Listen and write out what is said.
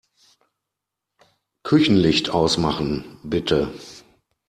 Küchenlicht ausmachen, bitte.